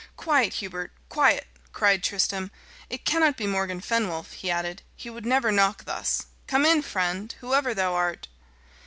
"Quiet, Hubert quiet!" cried Tristram. "It cannot be Morgan Fenwolf," he added. "He would never knock thus. Come in, friend, whoever thou art."